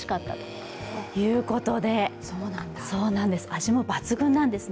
味も抜群なんですね。